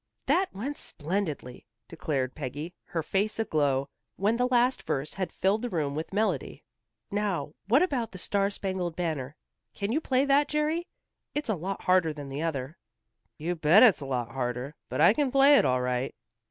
"That went splendidly," declared Peggy, her face aglow, when the last verse had filled the room with melody. "Now, what about 'The Star Spangled Banner?' Can you play that, Jerry? It's a lot harder than the other." "You bet it's harder, but I can play it all right."